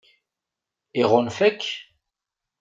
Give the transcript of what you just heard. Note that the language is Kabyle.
Iɣunfa-k?